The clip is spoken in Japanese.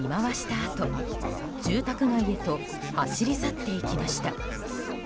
あと住宅街へと走り去っていきました。